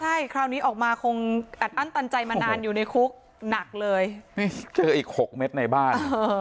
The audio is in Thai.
ใช่คราวนี้ออกมาคงอัดอั้นตันใจมานานอยู่ในคุกหนักเลยนี่เจออีกหกเม็ดในบ้าน